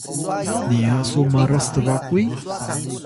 niya su maras tbakuy?